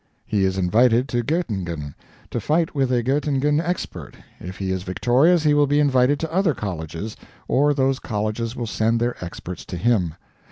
He is invited to Goettingen, to fight with a Goettingen expert; if he is victorious, he will be invited to other colleges, or those colleges will send their experts to him.